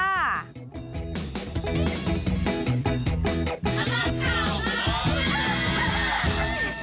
สวัสดีครับ